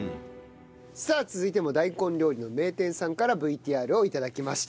さあ続いても大根料理の名店さんからＶＴＲを頂きました。